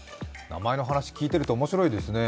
名前の話を聞いていると面白いですね。